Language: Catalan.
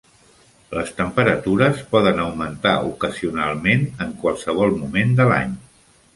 Les temperatures poden augmentar ocasionalment en qualsevol moment de l'any.